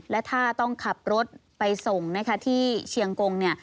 และถ้าต้องขับรถไปส่งนะคะที่เชียงกงเนี่ย